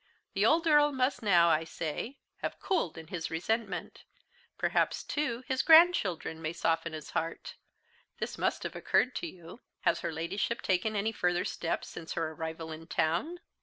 The old Earl must now, I say, have cooled in his resentment; perhaps, too, his grandchildren may soften his heart; this must have occurred to you. Has her Ladyship taken any further steps since her arrival in town?"